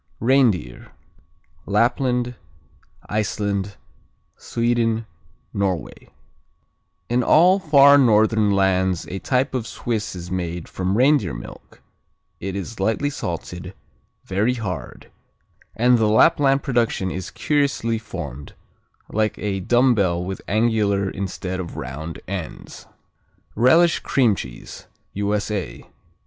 Reindeer Lapland, Iceland, Sweden, Norway In all far northern lands a type of Swiss is made from reindeer milk It is lightly salted, very hard; and the Lapland production is curiously formed, like a dumbbell with angular instead of round ends. Relish cream cheese _U.S.A.